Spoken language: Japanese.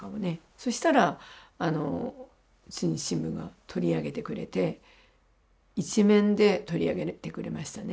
そしたら中日新聞が取り上げてくれて一面で取り上げてくれましたね